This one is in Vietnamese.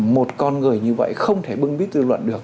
một con người như vậy không thể bưng bít dư luận được